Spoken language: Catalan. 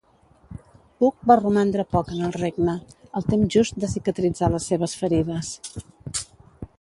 Hug va romandre poc en el regne, el temps just de cicatritzar les seves ferides.